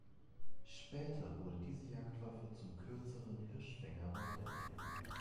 Später wurde diese Jagdwaffe zum kürzeren Hirschfänger weiterentwickelt.